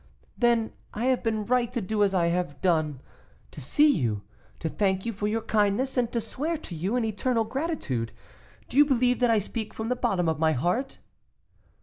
"Then I have been right to do as I have done; to see you, to thank you for your kindness, and to swear to you an eternal gratitude. Do you believe that I speak from the bottom of my heart?"